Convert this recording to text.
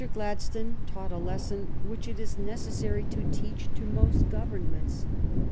Gladstone taught a lesson which it is neces sary to teach to most Governments.